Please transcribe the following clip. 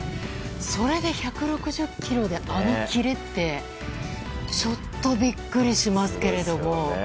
それで１６０キロであのキレってちょっとビックリしますけれども。